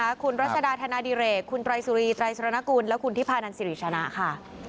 ขอบคุณรัศนาธนาดีเรคคุณตรายสุรีตรายสุรนคุณและคุณทิพานันสิริชนะค่ะ